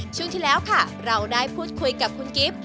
ช่วงที่แล้วค่ะเราได้พูดคุยกับคุณกิฟต์